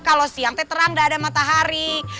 kalau siang itu terang gak ada matahari